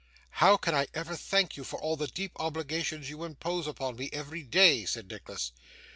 'How can I ever thank you for all the deep obligations you impose upon me every day?' said Nicholas.